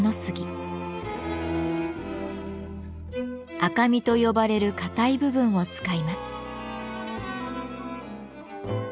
「赤身」と呼ばれる堅い部分を使います。